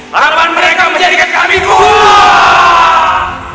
harapan mereka menjadikan kami gugur